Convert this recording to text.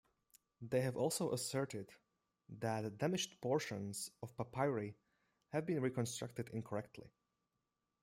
They have also asserted that damaged portions of the papyri have been reconstructed incorrectly.